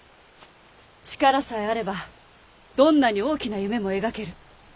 力さえあればどんなに大きな夢も描ける。